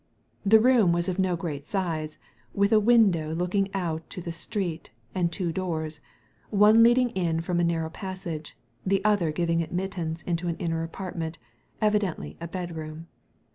The room was of no great size, with a window looking out on to the street, and two doors, one leading in from a narrow passage, the other giving admittance into an inner apartment, evidently a bed room.